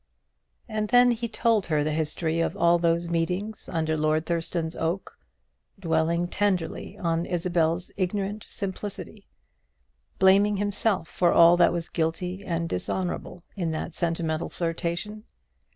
And then he told the history of all those meetings under Lord Thurston's oak; dwelling tenderly on Isabel's ignorant simplicity, blaming himself for all that was guilty and dishonourable in that sentimental flirtation.